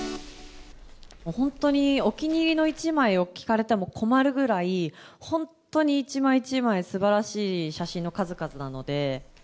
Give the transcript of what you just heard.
本当にお気に入りの１枚を聞かれても困るぐらい、本当に一枚一枚、すばらしい写真の数々なので。